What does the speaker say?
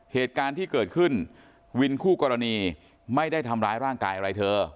เหตุการณ์ที่เกิดขึ้นวินคู่กรณีไม่ได้ทำร้ายร่างกายอะไรเธอ